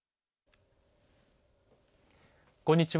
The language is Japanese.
こんにちは。